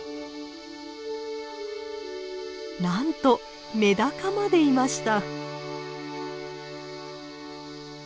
なんとメダカまでいました！